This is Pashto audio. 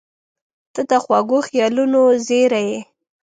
• ته د خوږو خیالونو زېری یې.